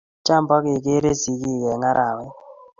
Cham bigegeere sigiik eng arawet